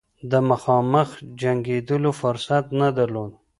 د مخامخ جنګېدلو فرصت نه درلود.